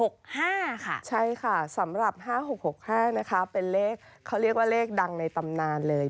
ใช่ค่ะสำหรับ๕๖๖๕นะคะเป็นเลขเขาเรียกว่าเลขดังในตำนานเลย